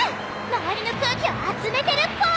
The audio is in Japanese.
周りの空気を集めてるっぽい！